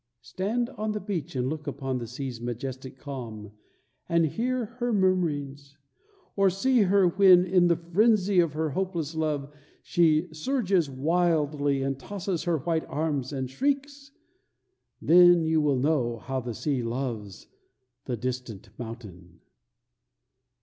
Stand on the beach and look upon the sea's majestic calm and hear her murmurings; or see her when, in the frenzy of her hopeless love, she surges wildly and tosses her white arms and shrieks, then you shall know how the sea loves the distant mountain.